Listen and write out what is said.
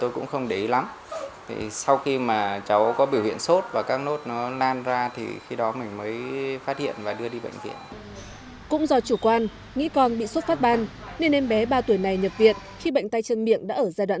cũng do chủ quan nghĩ con bị xuất phát ban nên em bé ba tuổi này nhập viện khi bệnh tay chân miệng đã ở giai đoạn